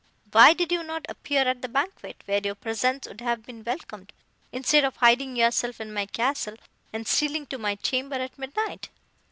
Why did you not appear at the banquet, where your presence would have been welcomed, instead of hiding yourself in my castle, and stealing to my chamber, at midnight?